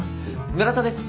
村田です。